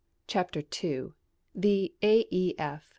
CHAPTER II THE A. E.